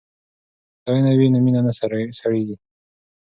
که ستاینه وي نو مینه نه سړیږي.